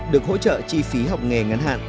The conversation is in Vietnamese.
được hỗ trợ chi phí học nghề ngắn hạn